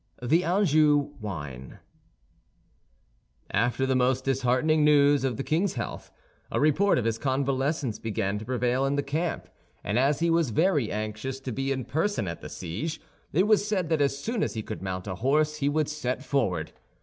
THE ANJOU WINE After the most disheartening news of the king's health, a report of his convalescence began to prevail in the camp; and as he was very anxious to be in person at the siege, it was said that as soon as he could mount a horse he would set forward.